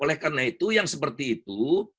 oleh karena itu yang seperti itu